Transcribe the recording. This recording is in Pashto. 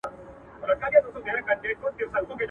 بیرغچي زخمي سوی وو.